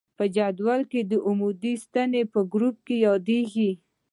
په جدول کې عمودي ستنې په ګروپ یادیږي.